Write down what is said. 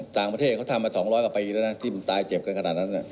ต่างประเทศเขาทำมา๒๐๐กว่าปีแล้วนะที่มันตายเจ็บกันขนาดนั้น